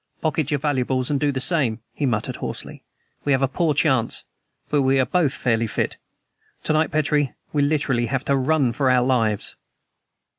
"Pocket your valuables, and do the same," he muttered hoarsely. "We have a poor chance but we are both fairly fit. To night, Petrie, we literally have to run for our lives."